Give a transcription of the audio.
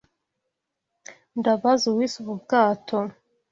Ndabaza uwise ubu bwato.